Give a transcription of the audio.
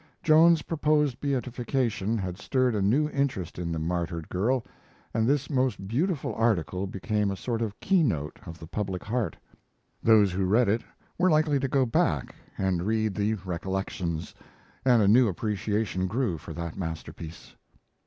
Joan's proposed beatification had stirred a new interest in the martyred girl, and this most beautiful article became a sort of key note of the public heart. Those who read it were likely to go back and read the Recollections, and a new appreciation grew for that masterpiece.